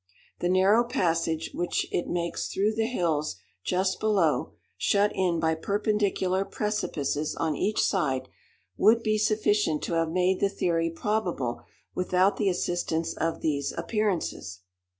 The narrow passage which it makes through the hills just below, shut in by perpendicular precipices on each side, would be sufficient to have made the theory probable without the assistance of these appearances.